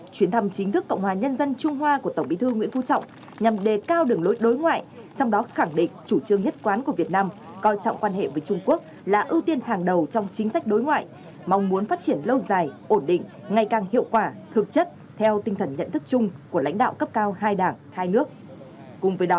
chuyến thăm chính thức cộng hòa nhân dân trung hoa của tổng bí thư nguyễn phú trọng nhằm đề cao đường lối đối ngoại trong đó khẳng định chủ trương nhất quán của việt nam coi trọng quan hệ với trung quốc là ưu tiên hàng đầu trong chính sách đối ngoại mong muốn phát triển lâu dài ổn định ngày càng hiệu quả thực chất theo tinh thần nhận thức chung của lãnh đạo cấp cao hai đảng hai nước